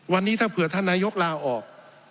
วันนี้ถ้าเผื่อท่านนายกลาออก